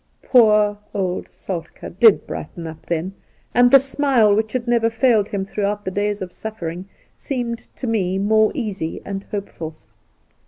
Poor old Soltk^ did brighten up then, and the smile which had never failed him throughout the days of sufiering seemed to me more easy and hopeful.